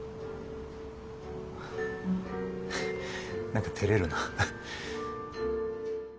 何かてれるな。